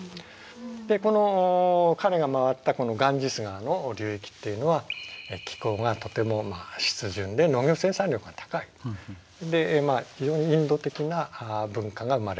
この彼が回ったガンジス川の流域っていうのは気候がとても湿潤で農業生産力が高い。で非常にインド的な文化が生まれた。